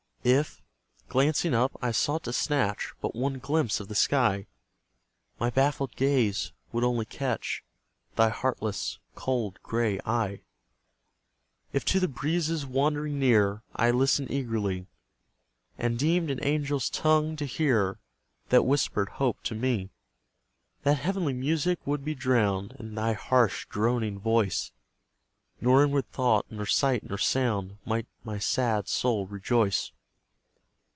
If, glancing up, I sought to snatch But one glimpse of the sky, My baffled gaze would only catch Thy heartless, cold grey eye. If to the breezes wandering near, I listened eagerly, And deemed an angel's tongue to hear That whispered hope to me, That heavenly music would be drowned In thy harsh, droning voice; Nor inward thought, nor sight, nor sound, Might my sad soul rejoice.